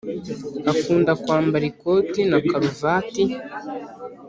akunda kwambara ikoti na karuvati